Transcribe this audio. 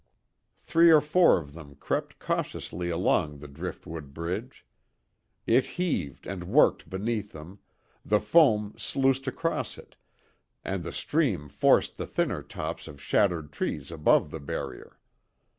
Three or four of them crept cautiously along the driftwood bridge. It heaved and worked beneath them; the foam sluiced across it, and the stream forced the thinner tops of shattered trees above the barrier.